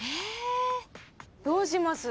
どうします？